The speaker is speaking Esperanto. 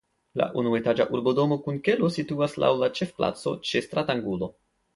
La unuetaĝa urbodomo kun kelo situas laŭ la ĉefplaco ĉe stratangulo.